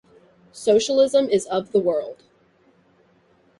Socialism is of the world.